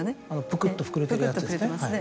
ぷくっと膨れているやつですね。